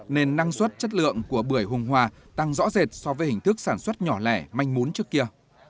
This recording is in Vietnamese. nên năng suất chất lượng của bưởi hùng hòa tăng rõ rệt so với hình thức sản xuất nhỏ lẻ manh mún trước kia